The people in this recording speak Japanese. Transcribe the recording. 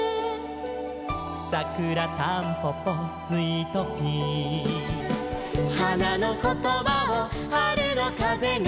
「さくらたんぽぽスイトピー」「花のことばを春のかぜが」